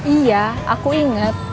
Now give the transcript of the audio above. iya aku inget